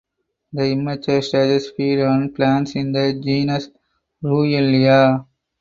The immature stages feed on plants in the genus Ruellia.